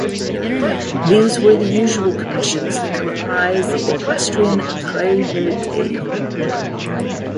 These were the usual commissions that comprise the equestrian "tres militiae".